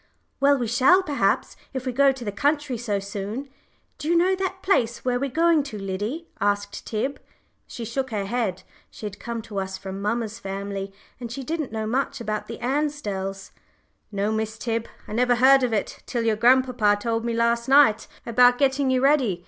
"Well, we shall, perhaps, if we go to the country so soon. Do you know that place where we're going to, Liddy?" asked Tib. She shook her head she had come to us from mamma's family, and she didn't know much about the Ansdells. "No, Miss Tib. I never heard of it till your grandpapa told me last night about getting you ready.